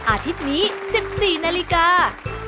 อาทิตย์นี้๑๔นาฬิกา